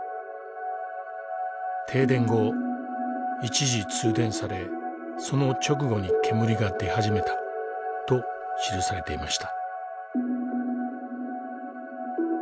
「停電後一時通電されその直後に煙がではじめた」と記されていました。